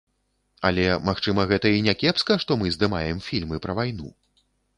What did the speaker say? Але, магчыма, гэта і не кепска, што мы здымаем фільмы пра вайну?